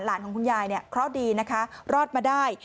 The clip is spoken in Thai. ของคุณยายเนี่ยเคราะห์ดีนะคะรอดมาได้